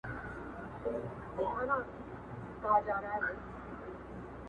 خوگراني زه نو دلته څه ووايم